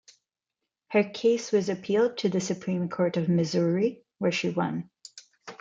Her case was appealed to the Supreme Court of Missouri, where she won.